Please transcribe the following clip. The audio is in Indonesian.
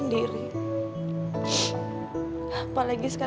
hanya demi gila gila perbedaan jadi kaya